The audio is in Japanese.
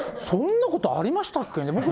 そんなことありましたっけね。